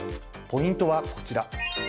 ポイントはこちら。